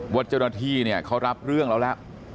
ว่าเจ้าหน้าที่เขารับเรื่องแล้วละ